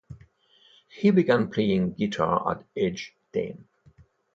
He began playing guitar at age ten.